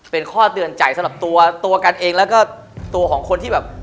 เป็นข้อเตือนใจสำหรับตัวตัวกันเองแล้วก็ตัวของคนที่แบบ